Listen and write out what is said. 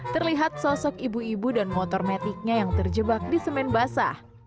terlihat sosok ibu ibu dan motor metiknya yang terjebak di semen basah